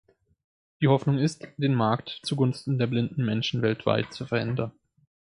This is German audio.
Die Hoffnung ist, den Markt zugunsten der blinden Menschen weltweit zu verändern.